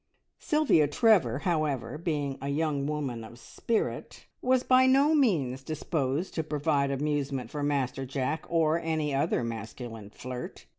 Sylvia Trevor, however, being a young woman of spirit, was by no means disposed to provide amusement for Master Jack or any other masculine flirt.